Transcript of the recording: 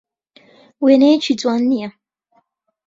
وێنەیەکی جوان نییە.